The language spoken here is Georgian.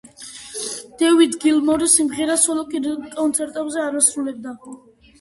დევიდ გილმორი სიმღერას სოლო კონცერტებზე არ ასრულებდა.